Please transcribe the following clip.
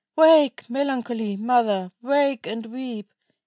Wake, melancholy Mother, wake and weep!